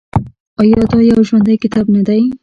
آیا دا یو ژوندی کتاب نه دی؟